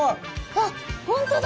あ本当だ。